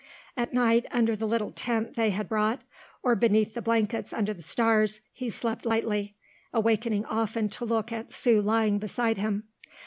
At night, under the little tent they had brought, or beneath the blankets under the stars, he slept lightly, awakening often to look at Sue lying beside him.